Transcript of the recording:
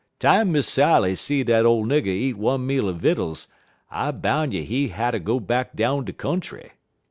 Time Miss Sally see dat ole nigger eat one meal er vittles, I boun' you he hatter go back down de country.